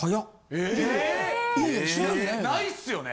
・ええ！？・ないっすよね。